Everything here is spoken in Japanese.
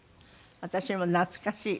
私も懐かしい。